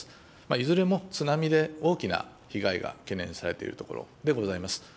いずれも津波で大きな被害が懸念されているところでございます。